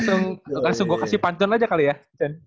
ini langsung gue kasih pancun aja kali ya cen